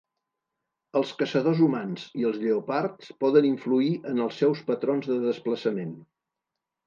Els caçadors humans i els lleopards poden influir en els seus patrons de desplaçament.